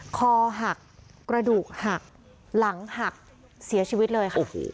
คอหักกระดูกหักหลังหักเสียชีวิตเลยค่ะ